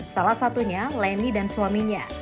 salah satunya leni dan suaminya